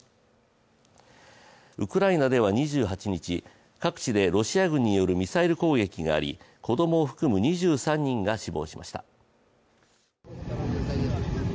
ウクライナでは２８日、各地でロシア軍によるミサイル攻撃があり子供を含む２３人が死亡しました。